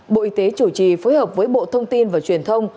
bộ y tế chủ trì phối hợp với bộ thông tin và truyền thông